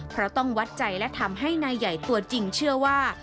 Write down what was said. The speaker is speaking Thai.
เพราะต้องวัดใจและทำให้นายใหญ่ตัวจริงเชื่อว่า